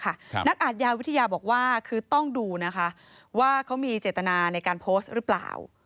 นักอาทยาวิทยาบอกว่าคือต้องดูนะคะว่าเขามีเจตนาในการโพสต์หรือเปล่า